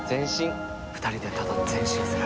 二人でただ前進する。